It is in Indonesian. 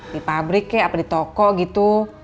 di pabrik kayak apa di toko gitu